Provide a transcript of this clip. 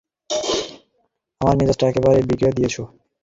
আমার মেজজটা একেবারে বিগড়ে দিয়েছো।